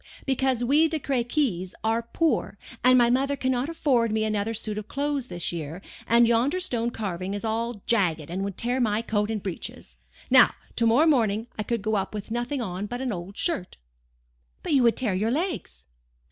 'Because we De Crequys are poor, and my mother cannot afford me another suit of clothes this year, and yonder stone carving is all jagged, and would tear my coat and breeches. Now, to morrow morning I could go up with nothing on but an old shirt.' "'But you would tear your legs.